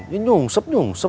ya nyungsep nyungsep